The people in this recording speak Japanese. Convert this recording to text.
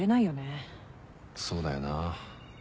そうだよな。